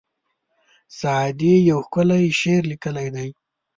سعدي یو ښکلی شعر لیکلی دی.